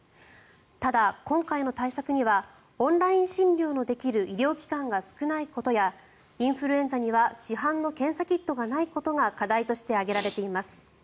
ただ、今回の対策にはオンライン診療のできる医療機関が少ないことやインフルエンザには市販の検査キットがないことが課題として挙げられています。